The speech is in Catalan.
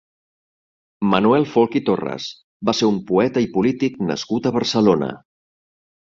Manuel Folch i Torres va ser un poeta i polític nascut a Barcelona.